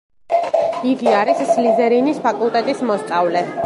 იგი არის სლიზერინის ფაკულტეტის მოსწავლე.